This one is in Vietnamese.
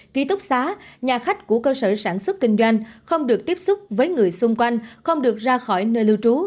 ký túc xá nhà khách của cơ sở sản xuất kinh doanh không được tiếp xúc với người xung quanh không được ra khỏi nơi lưu trú